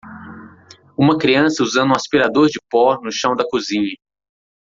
Uma criança usando um aspirador de pó no chão da cozinha.